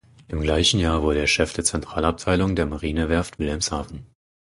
Im gleichen Jahr wurde er Chef der Zentralabteilung der Marinewerft Wilhelmshaven.